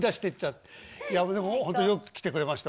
いやでも本当によく来てくれました。